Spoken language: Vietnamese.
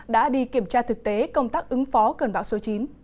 đã đi kiểm tra thực tế công tác ứng phó cơn bão số chín